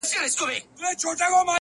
زه به غمو ته شاعري كومه;